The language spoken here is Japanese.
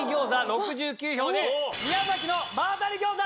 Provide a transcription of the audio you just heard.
６９票で宮崎の馬渡餃子